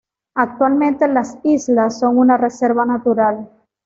Actualmente las islas son una reserva natural.